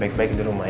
baik baik di rumah ya